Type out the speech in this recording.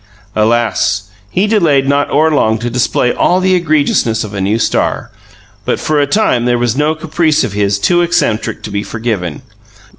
Alas! he delayed not o'er long to display all the egregiousness of a new star; but for a time there was no caprice of his too eccentric to be forgiven.